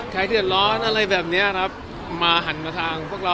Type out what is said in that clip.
ใครเดือดร้อนอะไรแบบเนี้ยครับมาหันมาทางพวกเรา